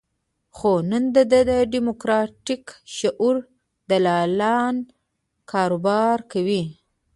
خو نن د ده د دیموکراتیک شعور دلالان کاروبار کوي.